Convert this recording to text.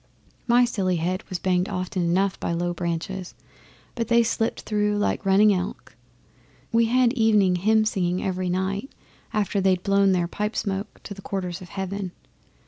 My silly head was banged often enough by low branches, but they slipped through like running elk. We had evening hymn singing every night after they'd blown their pipe smoke to the quarters of heaven.